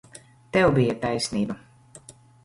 Tev bija taisnība.